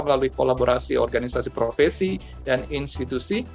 melalui kolaborasi organisasi profesi dan institusi